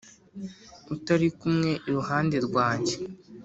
utari kumwe iruhande rwanjye